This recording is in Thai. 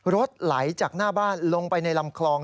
รถไหลจากหน้าบ้านลงไปในลำคลอง